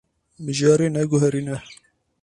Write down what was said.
Mijarê neguherîne.